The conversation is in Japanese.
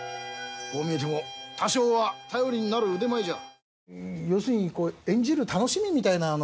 こう見えても多少は頼りになる腕前じゃ。